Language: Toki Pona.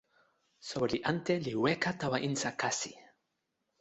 soweli ante li weka tawa insa kasi.